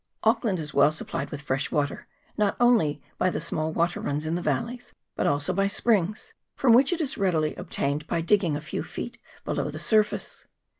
Auckland is well supplied with fresh water, not only by the small water runs in the valleys, but also by springs, from which it is readily obtained by dig ging a few feet below the surface.